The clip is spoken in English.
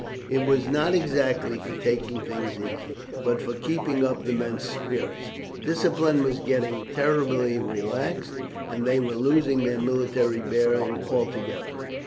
"It was not exactly for taking things easy, but for keeping up the men's spirits. Discipline was getting terribly relaxed, and they were losing their military bearing altogether.